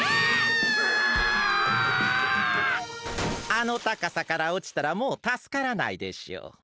あのたかさからおちたらもうたすからないでしょう。